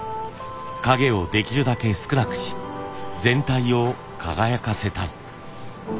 影をできるだけ少なくし全体を輝かせたい。